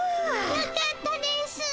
よかったですぅ。